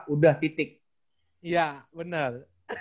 udah titik iya benar